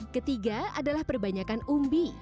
ketiga adalah perbanyakan umbi